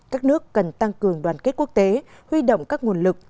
các nước cần tăng cường đoàn kết quốc tế huy động các nguồn lực